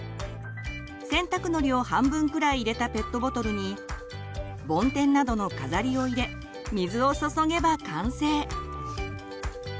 洗濯のりを半分くらい入れたペットボトルにボンテンなどの飾りを入れ水を注げば完成。